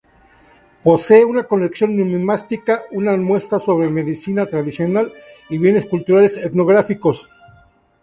Posee una colección numismática, una muestra sobre medicina tradicional y bienes culturales etnográficos.